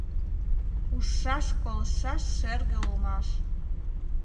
Ужшаш-колыштшаш шерге улмаш.